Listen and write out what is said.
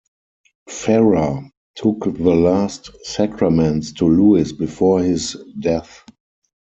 Farrer took the last sacraments to Lewis before his death.